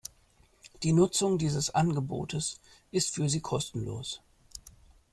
Die Nutzung dieses Angebotes ist für Sie kostenlos.